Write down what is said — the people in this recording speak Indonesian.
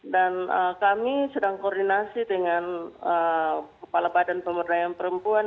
dan kami sedang koordinasi dengan kepala badan pemberdayaan perempuan